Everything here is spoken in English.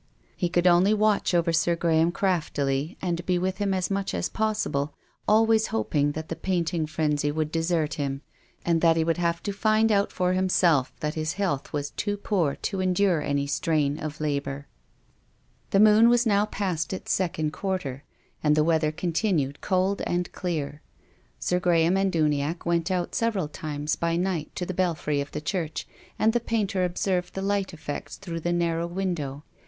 He could only watch over Sir Graham craftily and be with him as much as possible, always hoping that the painting frenzy would desert him, and that he would find out for himself tliat his health was too poor to endure any strain of labour. 8o TONGUES OF CONSCIENCE. The moon was now past its second quarter, and the weather continued cold and clear. Sir Gra ham and Uniacke went out several times by night to the belfry of the church, and the painter ob served the light effects through the narrow win dow.